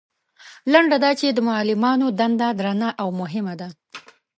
لنډه دا چې د معلمانو دنده درنه او مهمه ده.